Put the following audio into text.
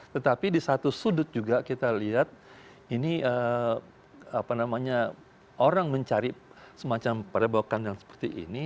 tetapi di satu sudut juga kita lihat ini apa namanya orang mencari semacam pak depokan yang seperti ini